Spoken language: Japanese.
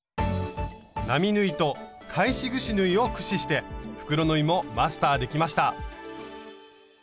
並縫いと返しぐし縫いを駆使して袋縫いもマスターできました！